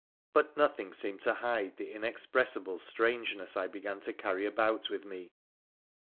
But nothing seemed to hide the inexpressible strangeness I began to carry about with me.